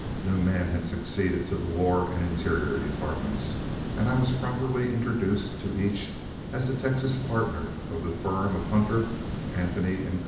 New men had succeeded to the War and Interior departments, and I was properly introduced to each as the Texas partner of the firm of Hunter, Anthony & Co.